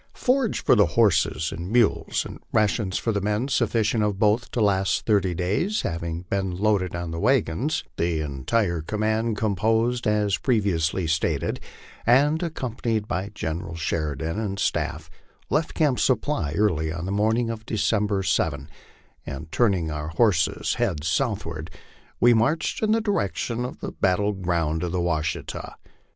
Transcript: FORAGE for the horses and mules, and rations for the men, sufficient of both to last thirty days, having been loaded on the wagons, the entire command, composed as previously stilted, and accompanied by General Sheri dan and staff, left Camp Supply early on the morning of December 7, and turning our horses 1 heads southward, we marched in the direction of the battle ground of the Washita.